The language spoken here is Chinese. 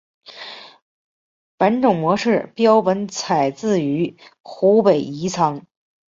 本种模式标本采自于湖北宜昌。